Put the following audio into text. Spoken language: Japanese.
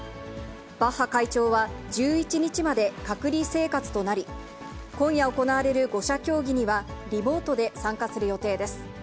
バッハ会長は１１日まで隔離生活となり、今夜行われる５者協議には、リモートで参加する予定です。